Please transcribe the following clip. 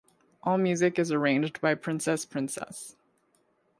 All music is arranged by Princess Princess.